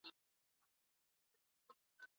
Alienda shuleni badala ya kanisani